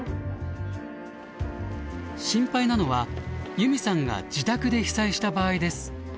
心配なのはゆみさんが自宅で被災した場合です。